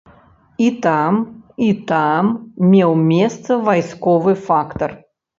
І там, і там меў месца вайсковы фактар.